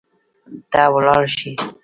ته ولاړ شي